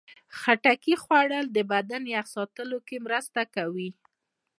د خټکي خوړل د بدن یخ ساتلو کې مرسته کوي.